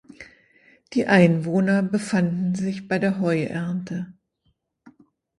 Die Einwohner befanden sich bei der Heuernte.